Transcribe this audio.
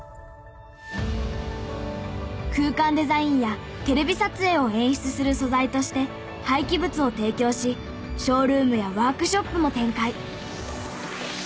空間デザインやテレビ撮影を演出する素材として廃棄物を提供しショールームやワークショップも展開。